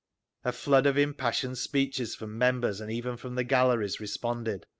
A flood of impassioned speeches from members, and even from the galleries, responded.